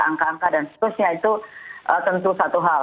angka angka dan seterusnya itu tentu satu hal